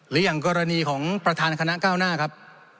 อย่างกรณีของประธานคณะก้าวหน้าครับ